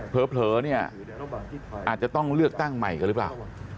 เผลอเนี่ยอาจจะต้องเลือกตั้งใหม่กันหรือเปล่า